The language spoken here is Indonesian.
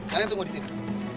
kalian tunggu di sini